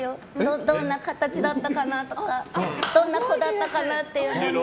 どんな形だったかなとかどんな子だったかなっていうのを。